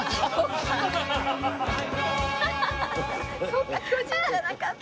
そうか巨人じゃなかった。